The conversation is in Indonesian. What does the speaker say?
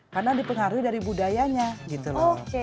karena dipengaruhi dari budayanya gitu loh